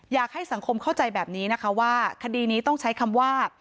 อยากให้สังคมเข้าใจแบบนี้นะคะว่าคดีนี้ต้องใช้คำว่า